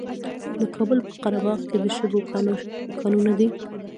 د کابل په قره باغ کې د شګو کانونه دي.